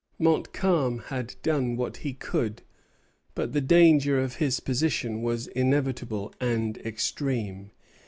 Montcalm had done what he could; but the danger of his position was inevitable and extreme.